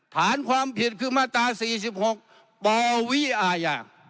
ฐานความผิดคือมาตรา๔๖ปวิอาญา